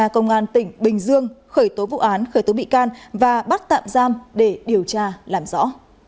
nga đã điều tra công an tỉnh bình dương khởi tố vụ án khởi tố bị can và bắt tạm giam để điều tra làm rõ